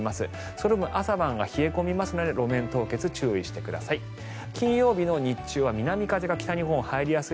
その分、朝晩が冷え込みますので路面凍結に注意してください。